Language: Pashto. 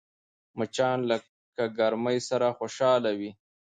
مچان له ګرمۍ سره خوشحال وي